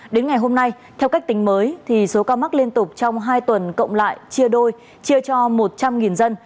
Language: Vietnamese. đến ngày hôm nay theo cách tính mới số ca mắc liên tục trong hai tuần cộng lại chia đôi chia cho một trăm linh dân